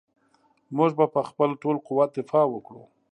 موږ به په خپل ټول قوت دفاع وکړو.